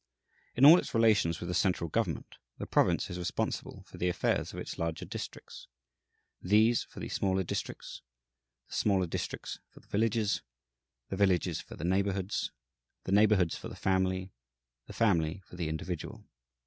In all its relations with the central government, the province is responsible for the affairs of its larger districts, these for the smaller districts, the smaller districts for the villages, the villages for the neighbourhoods, the neighbourhoods for the family, the family for the individual.